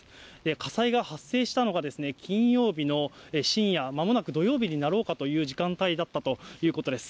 火災が発生したのが金曜日の深夜、まもなく土曜日になろうかという時間帯だったということです。